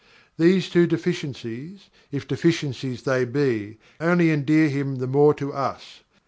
These two deficiencies, if deficiencies they be, only endear him the more to us.